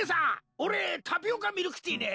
オレタピオカミルクティーねェ！